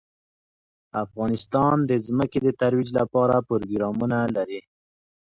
افغانستان د ځمکه د ترویج لپاره پروګرامونه لري.